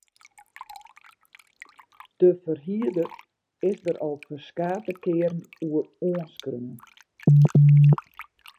De ferhierder is der al ferskate kearen oer oanskreaun.